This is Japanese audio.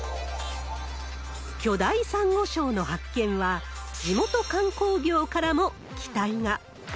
巨大サンゴ礁の発見は、地元観光業からも期待が。